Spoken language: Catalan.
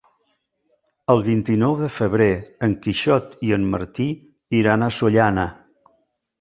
El vint-i-nou de febrer en Quixot i en Martí iran a Sollana.